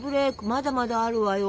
まだまだあるわよ！